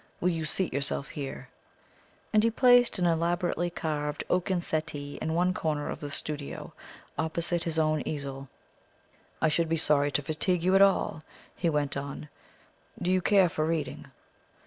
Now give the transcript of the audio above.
Will you seat yourself here?" and he placed an elaborately carved oaken settee in one corner of the studio, opposite his own easel. "I should be sorry to fatigue you at all," he went on; "do you care for reading?"